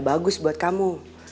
bagus buat kamu